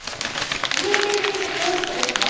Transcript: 人為的にってどういう事ですか？